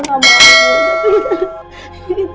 ibu ibu ibu ibu ibu